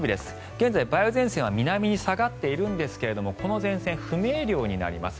現在、梅雨前線は南に下がっているんですがこの前線、不明瞭になります。